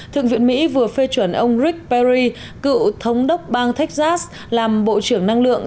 thượng viện mỹ vừa phê chuẩn ông rick perry cựu thống đốc bang texas làm bộ trưởng năng lượng